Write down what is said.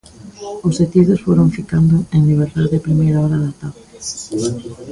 Os detidos foron ficando en liberdade a primeira hora da tarde.